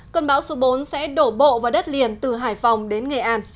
cơn bão số bốn sẽ đổ bộ vào đất liền từ hải phòng đến nghệ an